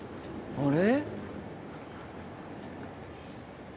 あれ？